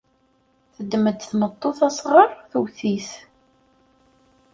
Teddem-d tmeṭṭut asɣar, tewwet-it.